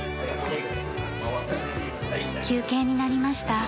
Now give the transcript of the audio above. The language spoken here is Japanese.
休憩になりました。